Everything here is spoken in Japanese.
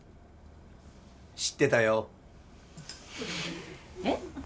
知ってたよ。